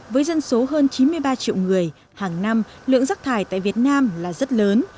với dân số hơn chín mươi ba triệu người hàng năm lượng rác thải tại việt nam là rất lớn